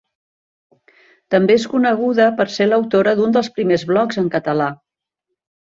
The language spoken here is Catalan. També és coneguda per ser l'autora d'un dels primers blogs en català.